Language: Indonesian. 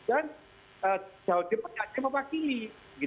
jawa timur tidak ada mewakili